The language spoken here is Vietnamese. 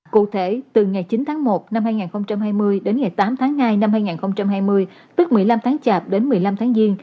cụ thể từ ngày chín tháng một năm hai nghìn hai mươi đến ngày tám tháng hai năm hai nghìn hai mươi tức một mươi năm tháng chạp đến một mươi năm tháng giêng